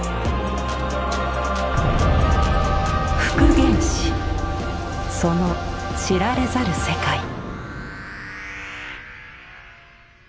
復元師その知られざる世界。